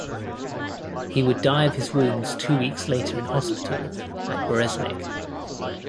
He would die of his wounds two weeks later in hospital at Bereznik.